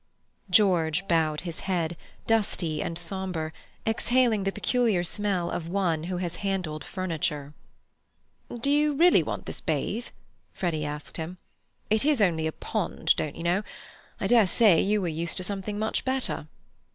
George bowed his head, dusty and sombre, exhaling the peculiar smell of one who has handled furniture. "Do you really want this bathe?" Freddy asked him. "It is only a pond, don't you know. I dare say you are used to something better."